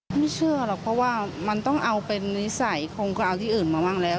ไม่เชื่อหรอกเพราะว่ามันต้องเอาเป็นนิสัยคงก็เอาที่อื่นมาบ้างแล้ว